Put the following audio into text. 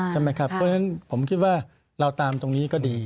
ใช่ไหมครับเพราะฉะนั้นผมคิดว่าเราตามตรงนี้ก็ดี